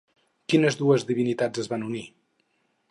Quines dues divinitats es van unir?